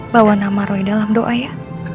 bawa nama roy dalam doa ya